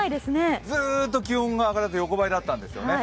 ずっと気温が上がらず横ばいだったんですよね。